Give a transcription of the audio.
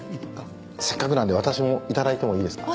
せっかくなんで私も頂いてもいいですか？